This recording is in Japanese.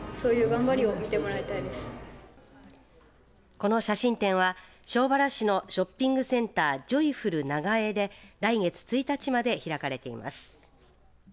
この写真展は庄原市のショッピングセンタージョイフルながえで来月１日まで開かれています。